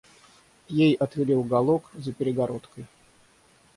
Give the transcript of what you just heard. Ей отвели уголок за перегородкой.